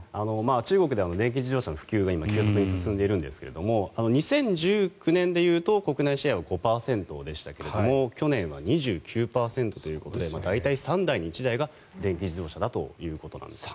中国では電気自動車の普及が今、急速に進んでいるんですが２０１９年で言うと国内発表は５％でしたけども去年は２９％ということで大体３台に１台が電気自動車だということなんですね。